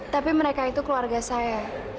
tapi mereka itu keluarga saya